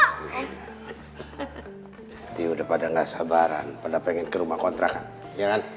pasti udah pada gak sabaran pada pengen ke rumah kontrakan iya kan